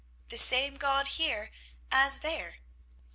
"The same God here as there!"